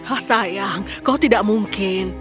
ah sayang kau tidak mungkin